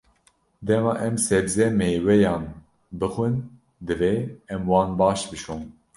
Dema em sebze û mêweyan bixwin, divê em wan baş bişon.